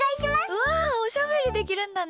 うわあおしゃべりできるんだね！